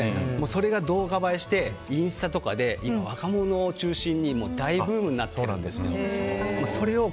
それが動画映えしてインスタとかで今、若者を中心に大ブームになってるんですよ。